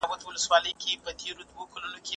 د تاوتریخوالي اصلي لاملونه باید وپېژندل سي.